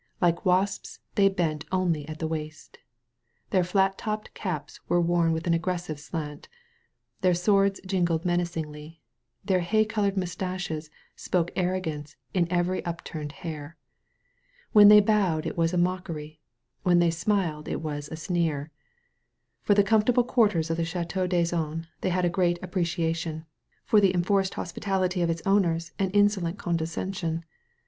Like wasps they bent only at the waist. Their flat topped caps were worn with an aggressive slant, their swords jingled menacingly, their hay colored mustaches spoke arrogance in every upturned hair. When they bowed it was a mockery; when they smiled it was a sneer. For the comfortable quar ters of the Ch&teau d'Azan they had a gross appre ciation, for the enforced hospitality of its owners an insolent condescension.